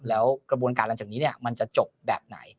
แล้วกระบวนการออกจากนี้เนี่ยมันจะจบแบบไหน